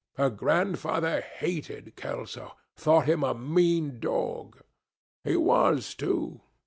Her grandfather hated Kelso, thought him a mean dog. He was, too.